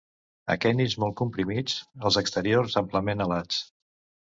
Aquenis molt comprimits, els exteriors amplament alats.